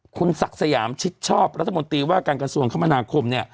คุณศักดิ์สยามชิดชอบรัฐมนตรีว่าการกระทรวงคมนาคมเนี่ย